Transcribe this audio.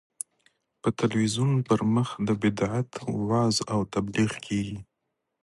په تلویزیون پر مخ د بدعت وعظ او تبلیغ کېږي.